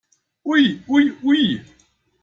Ui ui ui!